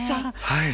はい。